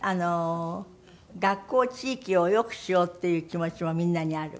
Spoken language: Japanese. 学校地域をよくしようっていう気持ちもみんなにある。